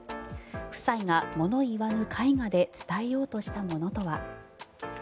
夫妻が物言わぬ絵画で伝えようとしたものとは。